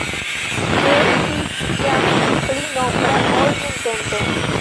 Ĝi estis iam pli nombra ol nuntempe.